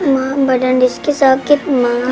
ma badan rizky sakit ma